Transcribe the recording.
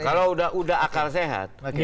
kalau udah akal sehat